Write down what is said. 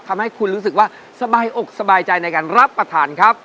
ทำให้คุณรู้สึกว่าสบายอกสบายใจในการรับประทานครับ